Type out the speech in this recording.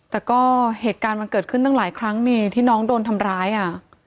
แต่ก็เหตุการณ์มันเกิดขึ้นตั้งหลายครั้งนี่ที่น้องโดนทำร้ายอ่ะ